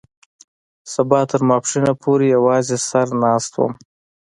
سبا تر ماسپښينه پورې يوازې سر ناست وم.